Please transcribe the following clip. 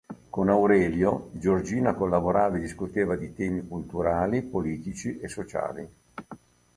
Con Aurelio, Giorgina collaborava e discuteva di temi culturali, politici e sociali.